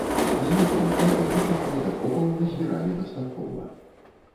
На нейкім этапе гэтых недахопаў назбіралі дастаткова.